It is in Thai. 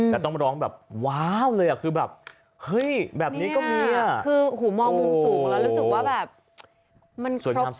แต่ต้องร้องแบบว้าวเลยคือแบบเฮ้ยแบบนี้ก็มีอ่ะคือหูมองมุมสูงแล้วรู้สึกว่าแบบมันครบ